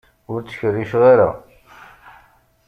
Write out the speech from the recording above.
Ur ttkerriceɣ ara.